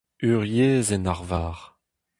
Ur yezh en arvar.